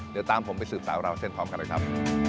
เดี๋ยวตามผมไปสืบสาวราวเส้นพร้อมกันเลยครับ